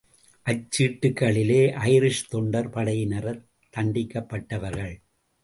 அச்சீட்டுக்களிலே Irish தொண்டர் படையினரால் தண்டிக்கப்பட்டவர்கள்.